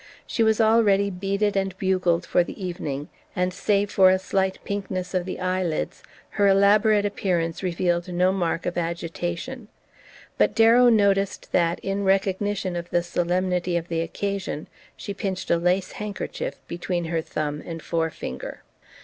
She was already beaded and bugled for the evening, and, save for a slight pinkness of the eye lids, her elaborate appearance revealed no mark of agitation; but Darrow noticed that, in recognition of the solemnity of the occasion, she pinched a lace handkerchief between her thumb and forefinger.